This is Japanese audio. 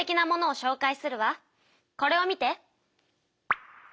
これを見て。